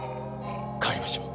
帰りましょう。